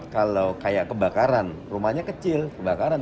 kalau kayak kebakaran rumahnya kecil kebakaran